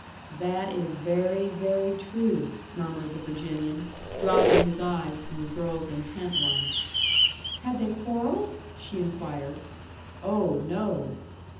"That is very, very true," murmured the Virginian, dropping his eyes from the girl's intent ones. "Had they quarrelled?" she inquired. "Oh, no!"